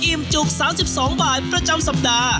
จุก๓๒บาทประจำสัปดาห์